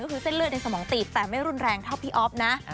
ก็คือเส้นเลือดในสมองตีบแต่ไม่รุนแรงเท่าพี่อ๊อฟนะ